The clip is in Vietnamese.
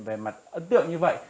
về mặt ấn tượng như vậy